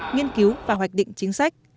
nghiên cứu và hoạch định chính sách